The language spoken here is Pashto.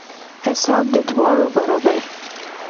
حساب د دواړو برابر.